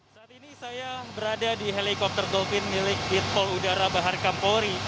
saat ini saya berada di helikopter golfin milik ditpol udara bahar kampori